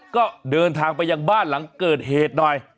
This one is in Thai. ก็เดินทางไปยังบ้านหลังเกิดเหตุหน่อย